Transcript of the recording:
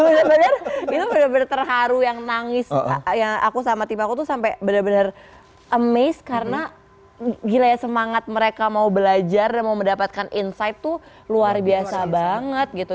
jadi itu bener bener terharu yang nangis yang aku sama tim aku tuh sampe bener bener amaze karena gila ya semangat mereka mau belajar dan mau mendapatkan insight tuh luar biasa banget gitu